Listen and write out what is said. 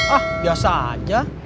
ah biasa aja